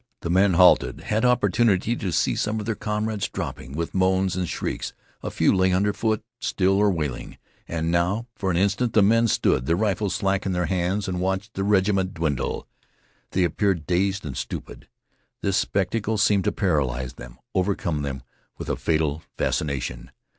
The men, halted, had opportunity to see some of their comrades dropping with moans and shrieks. A few lay under foot, still or wailing. And now for an instant the men stood, their rifles slack in their hands, and watched the regiment dwindle. They appeared dazed and stupid. This spectacle seemed to paralyze them, overcome them with a fatal fascination.